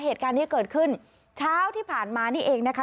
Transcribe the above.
เหตุการณ์นี้เกิดขึ้นเช้าที่ผ่านมานี่เองนะคะ